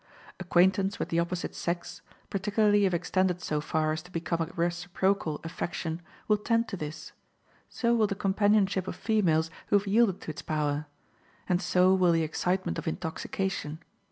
Acquaintance with the opposite sex, particularly if extended so far as to become a reciprocal affection, will tend to this; so will the companionship of females who have yielded to its power; and so will the excitement of intoxication.